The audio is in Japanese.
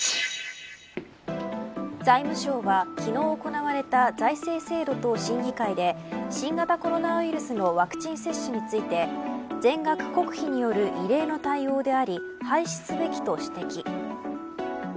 財務省は、昨日行われた財政制度等審議会で新型コロナウイルスのワクチン接種について全額国費によるのは異例の対応であり廃止すべきと指摘。